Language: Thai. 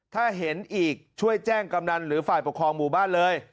ถ้าเห็นอีกช่วยแจ้งกำนันหรือฝ่ายปกครองหมู่บ้านเลย